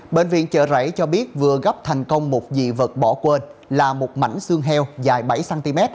bệnh viện chợ rẫy cho biết vừa gấp thành công một dị vật bỏ quên là một mảnh xương heo dài bảy cm